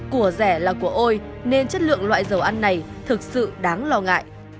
của rẻ là của ôi nên chất lượng loại dầu ăn này thực sự đáng lo ngại